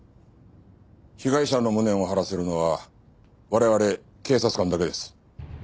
被害者の無念を晴らせるのは我々警察官だけです。